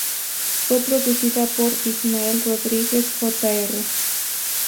Fue producida por Ismael Rodríguez Jr.